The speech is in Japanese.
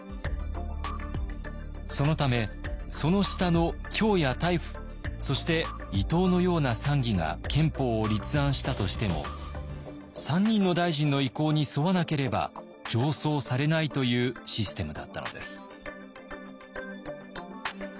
そのためその下の卿や大輔そして伊藤のような参議が憲法を立案したとしても３人の大臣の意向に沿わなければ上奏されないというシステムだったのです。